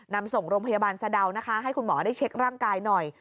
นำส่งโรงพยาบาลสะดาวนะคะให้คุณหมอได้เช็คร่างกายหน่อย